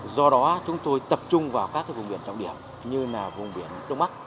do đó chúng tôi tập trung vào các vùng biển trong điểm như là vùng biển đông mắc